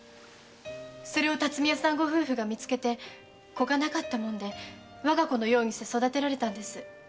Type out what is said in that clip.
それを巽屋さんご夫婦が見つけて子がなかったもんで我が子のようにして育てられたんです。